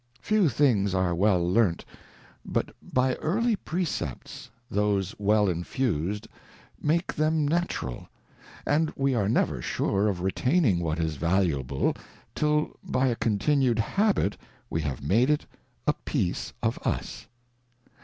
Few things are well learnt, but by early Pre cepts : Those well infus'd, make them Natural; and we are never sure of retaining what is valuable, till by a continued Habit we have made it a Piece of us.